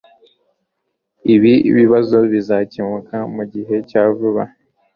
Ibi bibazo bizakemuka mugihe cya vuba.